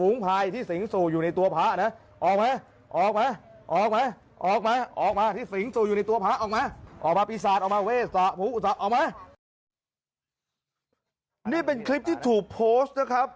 นี่เป็นคลิปที่ถูกโพสต์นะครับ